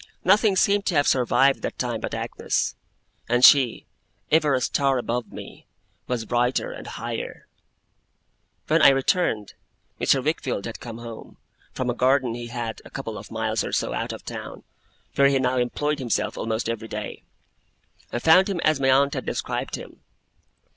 Nothing seemed to have survived that time but Agnes; and she, ever a star above me, was brighter and higher. When I returned, Mr. Wickfield had come home, from a garden he had, a couple of miles or so out of town, where he now employed himself almost every day. I found him as my aunt had described him.